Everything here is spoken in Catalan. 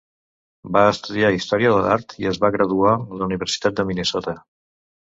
Va estudiar Història de l'art i es va graduar a la Universitat de Minnesota.